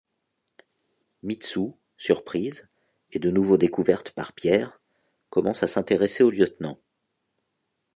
Mitsou, surprise, et de nouveau découverte par Pierre, commence à s’intéresser au lieutenant.